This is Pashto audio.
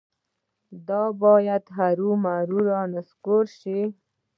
دا باید هرومرو رانسکور شي.